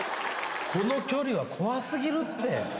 この距離は怖すぎるって。